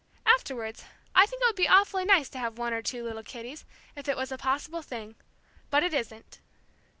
afterwards, I think it would be awfully nice to have one or two little kiddies, if it was a possible thing. But it isn't."